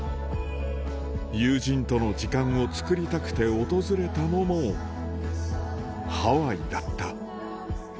友人との時間を作りたくて訪れたのもハワイだった。